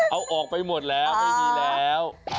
เอาออกไปหมดแล้วไม่มีแล้ว